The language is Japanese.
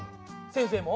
先生も？